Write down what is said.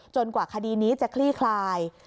กว่าคดีนี้จะคลี่คลาย